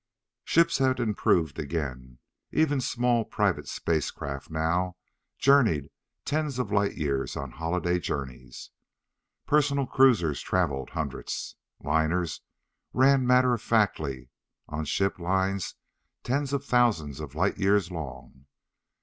Ships had improved again. Even small private space craft now journeyed tens of light years on holiday journeys. Personal cruisers traveled hundreds. Liners ran matter of factly on ship lines tens of thousands of light years long.